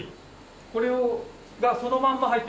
これがそのまま入っています。